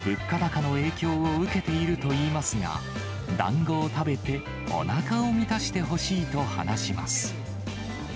店は物価高の影響を受けているといいますが、だんごを食べて、おなかを満たしてほしいと話します。